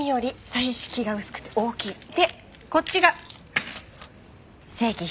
でこっちが正規品。